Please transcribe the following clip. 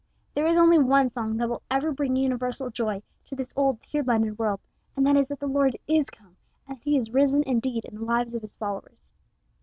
There is only one song that will ever bring universal joy to this old, tear blinded world, and that is that the Lord is come, and that he is risen indeed in the lives of his followers.